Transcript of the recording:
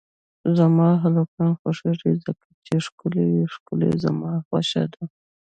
زما هلکان خوښیږی ځکه چی ښکلی وی ښکله زما خوشه ده